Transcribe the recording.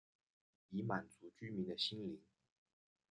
以满足居民的心灵